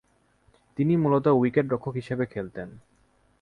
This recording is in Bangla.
তিনি মূলতঃ উইকেট-রক্ষক হিসেবে খেলতেন।